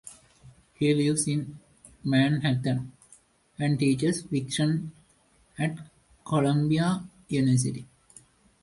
He lives in Manhattan and teaches fiction at Columbia University.